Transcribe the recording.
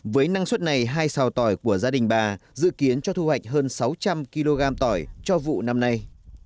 với năng suất này hai xào tỏi của gia đình bà dự kiến cho thu hoạch hơn sáu trăm linh kg tỏi cho vụ năm nay